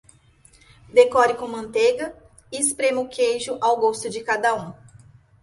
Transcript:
Decore com manteiga e esprema o queijo ao gosto de cada um.